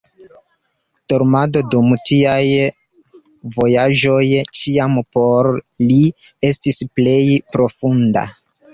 Dormado dum tiaj vojaĝoj ĉiam por li estis plej profunda.